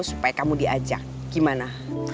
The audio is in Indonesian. supaya kamu diajak gimana